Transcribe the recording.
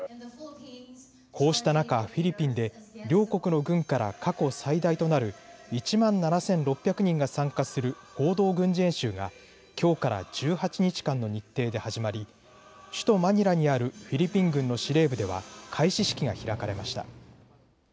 こうした中、フィリピンで両国の軍から過去最大となる１万７６００人が参加する合同軍事演習がきょうから１８日間の日程で始まり首都マニラにあるフィリピン軍の司令部では開始式が開かれました。